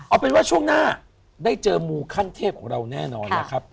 เอาเป็นว่าช่วงหน้าได้เจอมูขั้นเทพของเราแน่นอนแล้วครับ